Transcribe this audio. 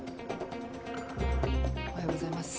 おはようございます。